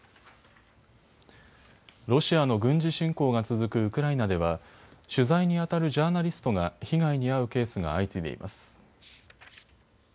ロシアの軍事侵攻が続くウクライナでは取材にあたるジャーナリストが被害に遭うケースが相次いでいます。